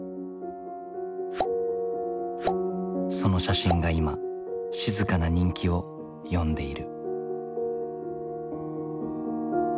その写真が今静かな人気を呼んでいる。